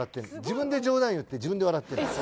自分で冗談言って自分で笑ってんだ。